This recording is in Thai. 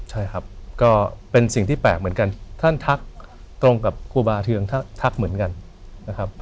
ใช่ครับก็เป็นสิ่งที่แปลกเหมือนกันท่านทักตรงกับครูบาเทืองทักเหมือนกันนะครับ